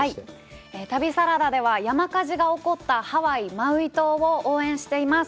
旅サラダでは、山火事が起こったハワイ・マウイ島を応援しています。